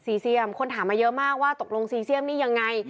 เซียมคนถามมาเยอะมากว่าตกลงซีเซียมนี่ยังไง